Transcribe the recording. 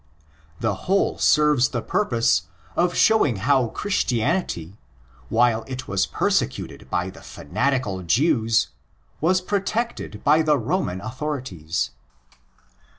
The whole serves the purpose of showing how Christianity, while it was persecuted by the fanatical Jews, was protected by the Roman authorities.